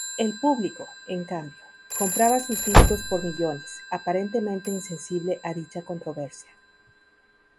El público, en cambio, compraba sus discos por millones, aparentemente insensible a dicha controversia.